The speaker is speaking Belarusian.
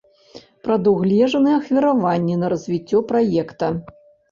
Прадугледжаны ахвяраванні на развіццё праекта.